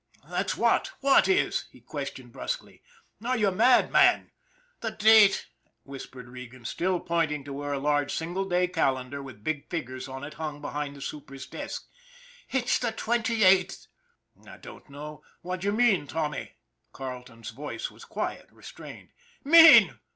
" That's what, what is ?" he questioned brusquely. " Are you mad, man ?" "The date," whispered Regan, still pointing to where a large single day calendar with big figures on it hung behind the super's desk. " It's the twenty eighth." " I don't know what you mean, Tommy," Carle ton's voice was quiet, restrained. " Mean